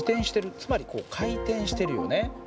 つまり回転してるよね。